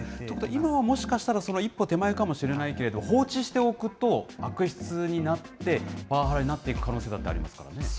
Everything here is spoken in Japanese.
ちょっと今はもしかしたら、一歩手前かもしれないけれど、放置しておくと悪質になって、パワハラになっていく可能性だってありますからね。